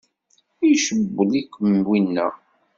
Icewwel-ikem winna?